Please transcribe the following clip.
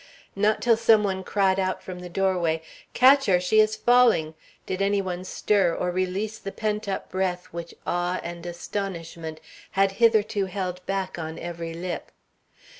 Not till some one cried out from the doorway, "Catch her! she is falling!" did any one stir or release the pent up breath which awe and astonishment had hitherto held back on every lip.